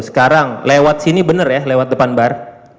sekarang lewat sini benar ya lewat depan bar